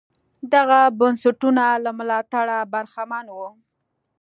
دغه بنسټونه له ملاتړه برخمن وو.